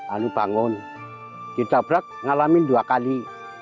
lalu bangun ditabrak ngalamin dua kali